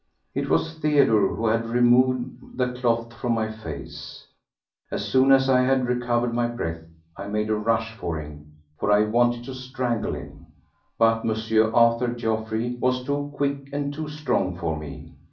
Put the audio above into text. It was Theodore who had removed the cloth from my face. As soon as I had recovered my breath I made a rush for him, for I wanted to strangle him. But M. Arthur Geoffroy was too quick and too strong for me.